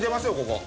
ここ。